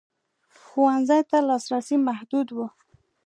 ښوونځیو ته لاسرسی محدود و.